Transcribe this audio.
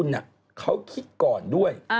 คุณเขาคิดก่อนด้วย